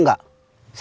saya gak tahu